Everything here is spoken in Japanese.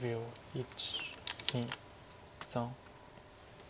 １２３。